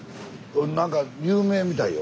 何か有名みたいよ。